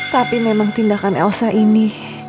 tapi memang tindakan elsa ini